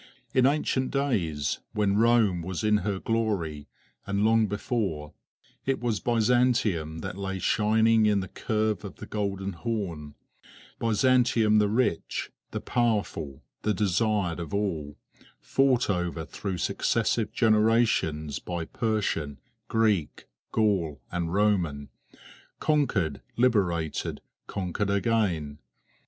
In ancient days, when Rome was in her glory and long before, it was Byzantium that lay shining in the curve of the Golden Horn; Byzantium the rich, the powerful, the desired of all; fought over through successive generations by Persian, Greek, Gaul and Roman; conquered, liberated, conquered again.